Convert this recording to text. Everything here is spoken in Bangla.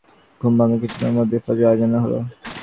ঘুম ভাঙার কিছুক্ষণের মধ্যেই ফজরের আজান হল।